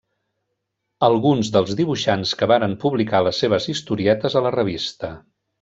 Alguns dels dibuixants que varen publicar les seves historietes a la revista.